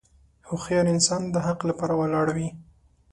هوښیار انسان د حق لپاره ولاړ وي.